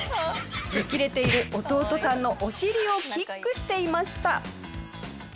見切れている弟さんのお尻をキックしていました。